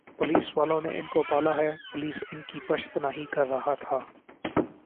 police والوں نے ان کو پالا ھے پولیس ان کی پشت پناہی کررہا تھا